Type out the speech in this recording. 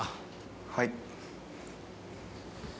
はい。